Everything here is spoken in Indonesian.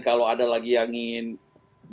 kalau ada lagi yang ingin